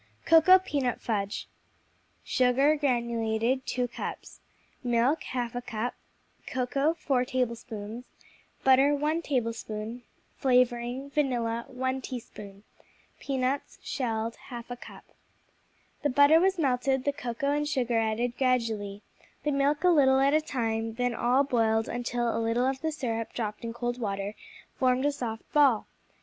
Cocoa Peanut Fudge Sugar (granulated), 2 cups Milk, 1/2 cup Cocoa, 4 tablespoons Butter, 1 tablespoon Flavoring (vanilla), 1 teaspoon Peanuts (shelled), 1/2 cup The butter was melted, the cocoa and sugar added gradually, the milk a little at a time, then all boiled until a little of the syrup dropped in cold water formed a soft ball.